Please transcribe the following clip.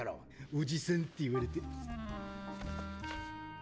おじさんって言われて。